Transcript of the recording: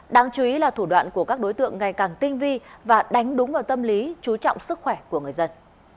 đáng chú ý là thủ đoạn của các đối tượng ngày càng tinh vi và đánh đúng vào tâm lý chú trọng sức khỏe của người dân